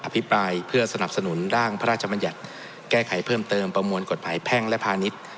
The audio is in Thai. พิปรายเพื่อสนับสนุนร่างพระราชมัญญัติแก้ไขเพิ่มเติมประมวลกฎหมายแพ่งและพาณิชย์